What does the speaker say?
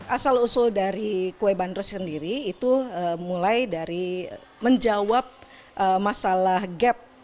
asal usul dari kue bandros sendiri itu mulai dari menjawab masalah gap